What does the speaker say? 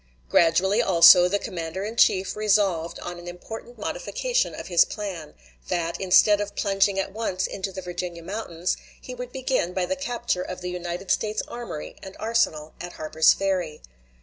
Gradually, also, the commander in chief resolved on an important modification of his plan: that, instead of plunging at once into the Virginia mountains, he would begin by the capture of the United States armory and arsenal at Harper's Ferry.